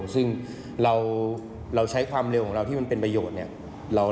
ซึ่งเราใช้ความเร็วของเราที่มันเป็นประโยชน์เนี่ย